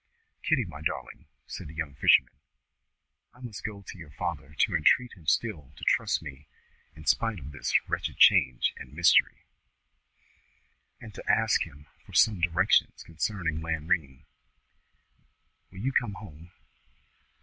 "Kitty, my darling," said the young fisherman, "I must go to your father to entreat him still to trust me in spite of this wretched change and mystery, and to ask him for some directions concerning Lanrean. Will you come home?